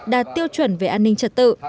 đạt tiêu chuẩn về an ninh trật tự